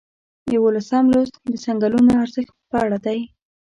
یوولسم لوست د څنګلونو ارزښت په اړه دی.